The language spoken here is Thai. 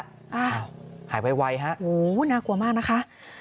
อ้าวหายไวฮะโอ้โหน่ากลัวมากนะคะ